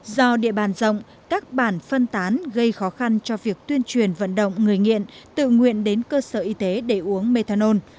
do địa bàn rộng các bản phân tán gây khó khăn cho việc tuyên truyền vận động người nghiện tự nguyện đến cơ sở y tế để uống methanol